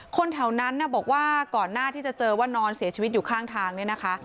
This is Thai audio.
คนแถวนั้นบอกว่าก่อนหน้าที่จะเจอว่านอนเสียชีวิตอยู่ข้างทางเนี่ยนะคะ